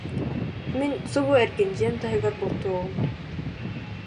Мин субу эргин, дьиэм таһыгар бултуоҕум